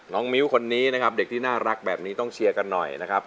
มิ้วคนนี้นะครับเด็กที่น่ารักแบบนี้ต้องเชียร์กันหน่อยนะครับ